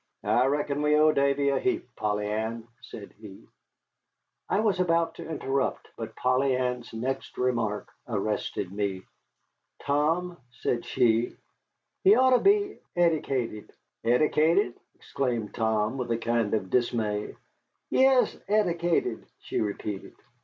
"I reckon we owe Davy a heap, Polly Ann," said he. I was about to interrupt, but Polly Ann's next remark arrested me. "Tom," said she, "he oughter be eddicated." "Eddicated!" exclaimed Tom, with a kind of dismay. "Yes, eddicated," she repeated.